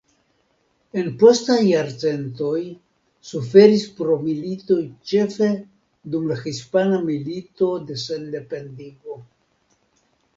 En postaj jarcentoj suferis pro militoj ĉefe dum la Hispana Milito de Sendependigo.